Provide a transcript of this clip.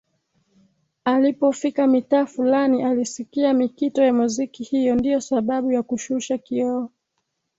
Alipofika mitaa Fulani alisikia mikito ya muziki hiyo ndio sababu ya kushusha kioo